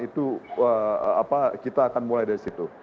itu kita akan mulai dari situ